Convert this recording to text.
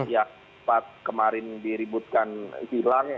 yang sempat kemarin diributkan hilang